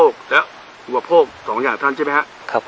ส่วนประหยัดบริโภคและอวบโภคสองอย่างถ้านใช่ไหมครับ